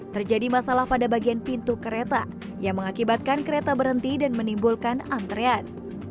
terjadi masalah pada bagian pintu kereta yang mengakibatkan kereta berhenti dan menimbulkan antrean